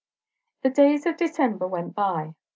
The days of December went by.